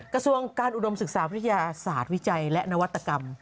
กระทรวงการอุดมศึกษาวิทยาศาสตร์วิจัยและนวัตกรรม